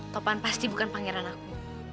topan pasti bukan pangeran aku